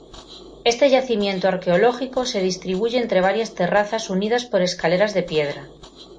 Este yacimiento arqueológico se distribuye entre varias terrazas unidas por escaleras de piedra.